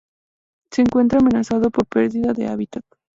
Se encuentra amenazado por perdida de hábitat.